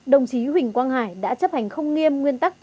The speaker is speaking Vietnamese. đồng chí huỳnh quang hải đã chấp hành không nghiêm